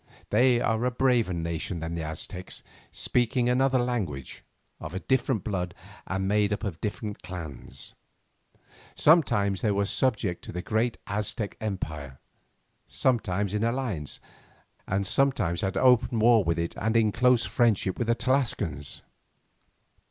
They are a braver nation than the Aztecs, speaking another language, of a different blood, and made up of many clans. Sometimes they were subject to the great Aztec empire, sometimes in alliance, and sometimes at open war with it and in close friendship with the Tlascalans.